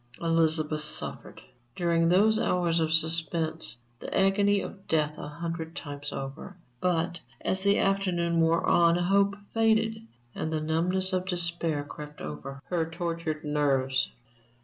Elizabeth suffered, during those hours of suspense, the agony of death a hundred times over. But as the afternoon wore on, hope faded and the numbness of despair crept over her tortured nerves.